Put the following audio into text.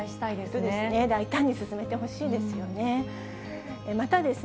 本当ですね、大胆に進めてほしいですよね。